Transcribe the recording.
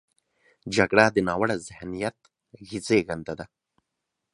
جګړه د ناوړه ذهنیت زیږنده ده